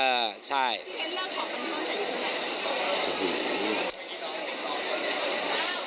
พี่เพชรเล่าขอเงินพ่ออยู่ไหน